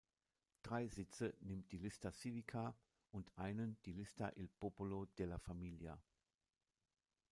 Drei Sitze nimmt die "Lista Civica" und einen die "Lista il Popolo della Famiglia".